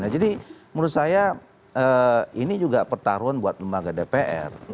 jadi menurut saya ini juga pertarungan buat lembaga dpr